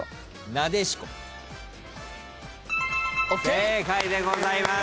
正解でございます。